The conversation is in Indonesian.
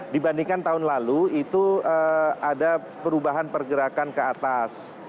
dibandingkan tahun lalu itu ada perubahan pergerakan ke atas